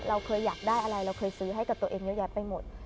เราเคยอยากได้อะไรเราเคยซื้อให้กับตัวเองเยอะแยะไปหมด